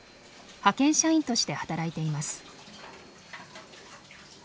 派遣社員として働いています。